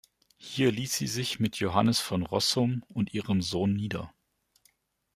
Hier ließ sie sich mit Johannes van Rossum und ihrem Sohn nieder.